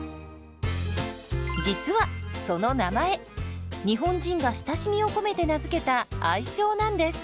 実はその名前日本人が親しみを込めて名付けた愛称なんです。